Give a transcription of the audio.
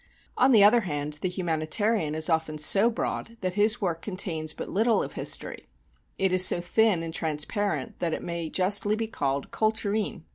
On the other hand the humanitarian is often so broad that his work contains but little of history; it is so thin and transparent that it may justly be called culturine.